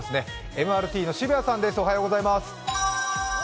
ＭＲＴの澁谷さんです。